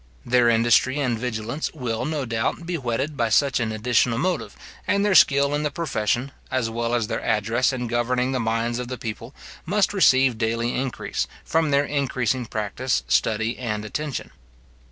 Their industry and vigilance will, no doubt, be whetted by such an additional motive; and their skill in the profession, as well as their address in governing the minds of the people, must receive daily increase, from their increasing practice, study, and attention.